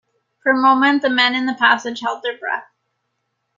For a moment the men in the passage held their breath.